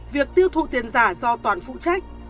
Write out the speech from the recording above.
việc tiêu thụ tiền giả do toản phụ trách